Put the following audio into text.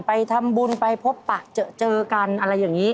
ไปทำบุญไปพบปะเจอกันอะไรอย่างนี้